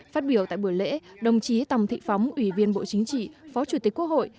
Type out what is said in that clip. phát biểu tại buổi lễ đồng chí tòng thị phóng ủy viên bộ chính trị phó chủ tịch quốc hội